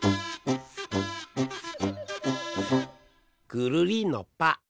ぐるりんのぱ。